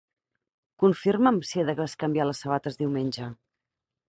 Confirma'm si he de bescanviar les sabates diumenge.